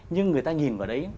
nhưng người ta nhìn vào đấy